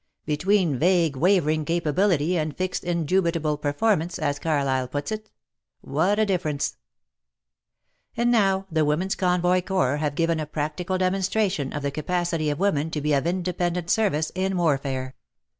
" Between vague wavering capability and fixed indubitable performance," as Carlyle puts it, " what a difference !" 4 WAR AND WOMEN And now the Women's Convoy Corps have given a practical demonstration of the capacity of women to be of independent service in warfare.